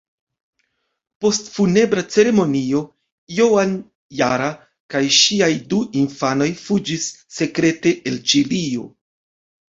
Post funebra ceremonio Joan Jara kaj ŝiaj du infanoj fuĝis sekrete el Ĉilio.